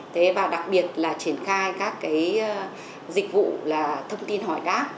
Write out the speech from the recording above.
thế và đặc biệt là triển khai các cái dịch vụ là thông tin hỏi gác